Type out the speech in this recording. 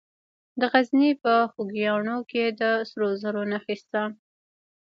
د غزني په خوږیاڼو کې د سرو زرو نښې شته.